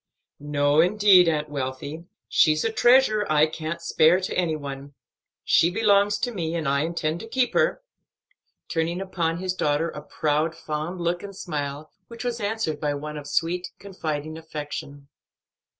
"No, indeed, Aunt Wealthy; she's a treasure I can't spare to any one. She belongs to me, and I intend to keep her," turning upon his daughter a proud, fond look and smile, which was answered by one of sweet, confiding affection.